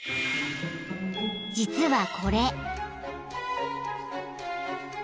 ［実はこれ］